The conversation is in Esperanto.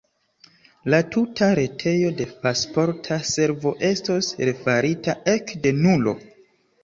La tuta retejo de Pasporta Servo estos refarita ekde nulo.